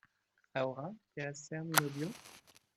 ¿ ahora quieres ser mi novio?